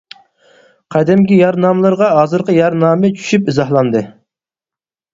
قەدىمكى يەر ناملىرىغا ھازىرقى يەر نامى چۈشۈپ ئىزاھلاندى.